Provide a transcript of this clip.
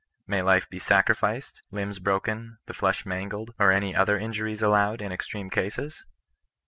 May life be sacrificed, limbs broken, the flesh mangled, or any other injuries allowed in extreme cases